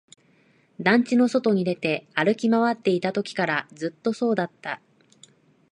団地の外に出て、歩き回っていたときからずっとそうだった